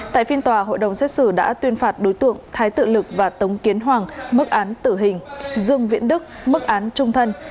tại phiên tòa hội đồng xét xử đã tuyên phạt đối tượng thái tự lực và tống kiến hoàng mức án tử hình dương viễn đức mức án trung thân